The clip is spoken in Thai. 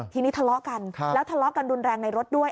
ทีนี้ทะเลาะกันแล้วทะเลาะกันรุนแรงในรถด้วย